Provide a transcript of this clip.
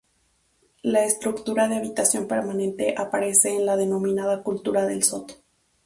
La estructura de habitación permanente aparece en la denominada cultura del Soto.